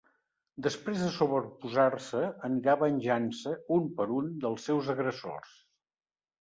Després de sobreposar-se, anirà venjant-se, un per un, dels seus agressors.